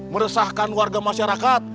meresahkan warga masyarakat